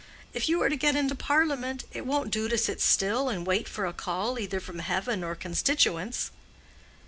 If you are to get into Parliament, it won't do to sit still and wait for a call either from heaven or constituents."